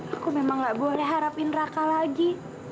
aku memang gak boleh harapin raka lagi